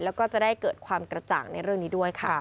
แล้วก็จะได้เกิดความกระจ่างในเรื่องนี้ด้วยค่ะ